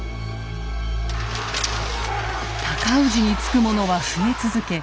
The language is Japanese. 尊氏につく者は増え続け